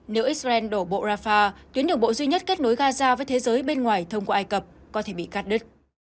nếu israel đổ bộ rafah tuyến đường bộ duy nhất kết nối gaza với thế giới bên ngoài thông qua ai cập có thể bị cắt đứt